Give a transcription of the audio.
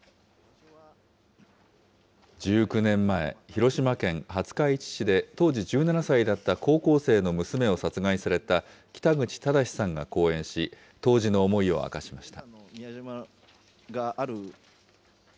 １９年前、広島県廿日市市で当時１７歳だった高校生の娘を殺害された北口忠さんが講演し、当時の思いを明かしました。